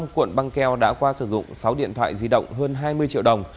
năm cuộn băng keo đã qua sử dụng sáu điện thoại di động hơn hai mươi triệu đồng